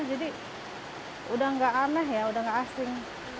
jadi udah gak aneh ya udah gak asing